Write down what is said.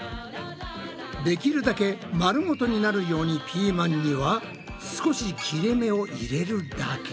できるだけ丸ごとになるようにピーマンには少し切れ目を入れるだけ。